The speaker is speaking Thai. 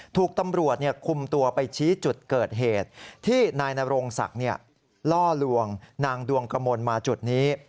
ถูกตำรวจคุมตัวไปชี้จุดเกิดเหตุที่นายนโรงศักดิ์ล่อลวงนางดวงกมลมาจุดนี้